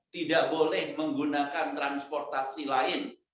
tidak boleh menggunakan transportasi lain